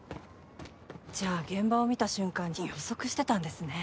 じゃあ現場を見た瞬間に予測してたんですね